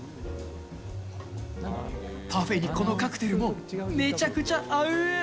パフェにこのカクテルもめちゃくちゃ合うー。